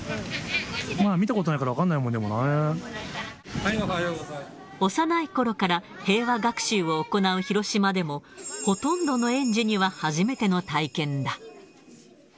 まだ見たことないから分かん幼いころから平和学習を行う広島でも、ほとんどの園児には初めての体験だ。